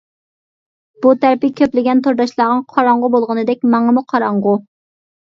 بۇ تەرىپى كۆپلىگەن تورداشلارغا قاراڭغۇ بولغىنىدەك، ماڭىمۇ قاراڭغۇ.